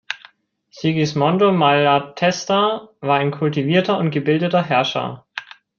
Sigismondo Malatesta war ein kultivierter und gebildeter Herrscher.